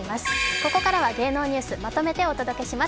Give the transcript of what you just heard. ここからは芸能ニュースまとめてお届けします。